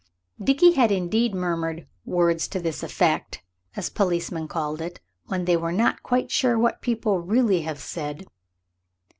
Dickie had indeed murmured "words to this effect," as policemen call it when they are not quite sure what people really have said.